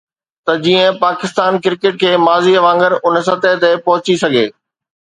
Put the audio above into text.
ته جيئن پاڪستان ڪرڪيٽ کي ماضي وانگر ان سطح تي پهچي سگهي